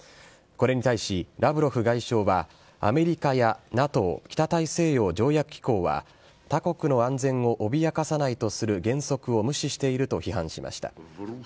これに対し、ラブロフ外相は、アメリカやＮＡＴＯ・北大西洋条約機構は、他国の安全を脅かさないとする原則を無視していると批判しました。